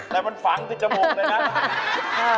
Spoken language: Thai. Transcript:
แต่มันฝังสิจมูกใจนะ